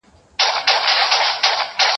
هر سړى پر ځان شكمن سو چي نادان دئ